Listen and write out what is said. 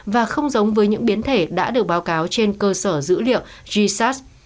và không giống với những biến thể đã được báo cáo trên cơ sở dữ liệu gsas